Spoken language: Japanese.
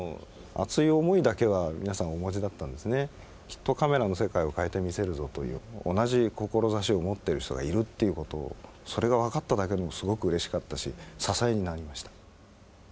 きっとカメラの世界を変えてみせるぞという同じ志を持ってる人がいるっていうことをそれが分かっただけでもすごくうれしかったし支えになりました。